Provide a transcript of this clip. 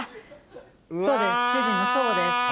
そうです。